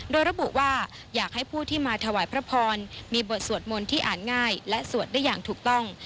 โดยระบุว่าอยากให้ผู้ที่มาถวายพระพรมีบทสวดมนต์ที่อ่านง่ายและสวดได้อย่างถูกต้อง